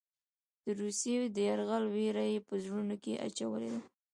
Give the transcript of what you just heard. د روسیې د یرغل وېره یې په زړونو کې اچولې ده.